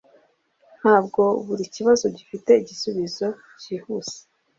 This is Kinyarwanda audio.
Ntabwo buri kibazo gifite igisubizo cyihuse.